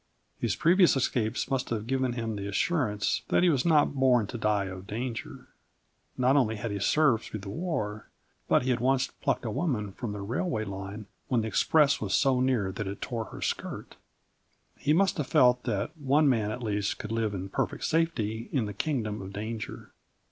His previous escapes must have given him the assurance that he was not born to die of danger. Not only had he served through the war, but he had once plucked a woman from the railway line when the express was so near that it tore her skirt. He must have felt that one man at least could live in perfect safety in the kingdom of danger.